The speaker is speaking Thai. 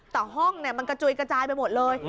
แต่ห้องมันกระจุยกระจายไปหมดเลย